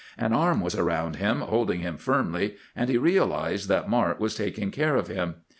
An arm was around him, holding him firmly, and he realized that Mart was taking care of him.